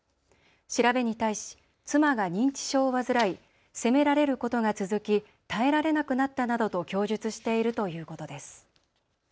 調べに対し妻が認知症を患い責められることが続き耐えられなくなったなどと供述しているということです。